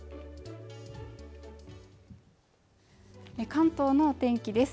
関東のお天気です